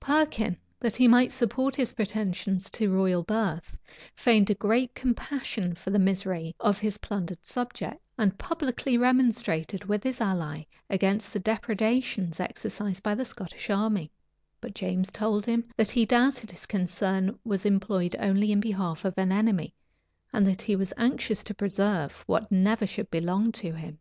Perkin, that he might support his pretensions to royal birth, feigned great compassion for the misery of his plundered subjects, and publicly remonstrated with his ally against the depredations exercised by the Scottish army;[*] but James told him, that he doubted his concern was employed only in behalf of an enemy, and that he was anxious to preserve what never should belong to him.